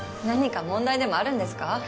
何か問題でもあるんですか？